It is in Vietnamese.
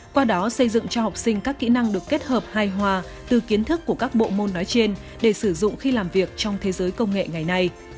qua đó xây dựng cho học sinh các kỹ năng được kết hợp hài hòa từ kiến thức của các bộ môn nói trên để sử dụng khi làm việc trong thế giới công nghệ ngày nay